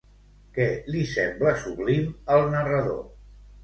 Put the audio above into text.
Què li sembla sublim al narrador?